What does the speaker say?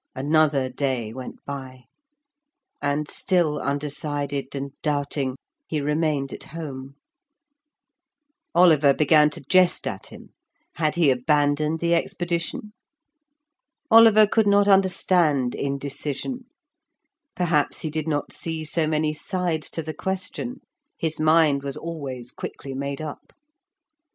Another day went by, and still undecided and doubting, he remained at home. Oliver began to jest at him; had he abandoned the expedition? Oliver could not understand indecision; perhaps he did not see so many sides to the question, his mind was always quickly made up.